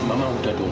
mama udah dong